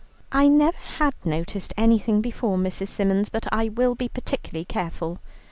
"I never had noticed anything before, Mrs. Symons, but I will be particularly careful."